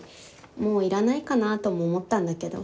もういらないかなとも思ったんだけど。